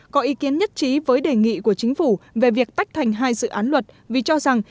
có ý kiến nhất trí với đề nghị của chính phủ về việc tách thành hai dự án luật vì cho rằng